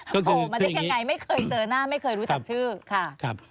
โผล่มาได้ยังไงไม่เคยเจอหน้าไม่เคยรู้จักชื่อค่ะ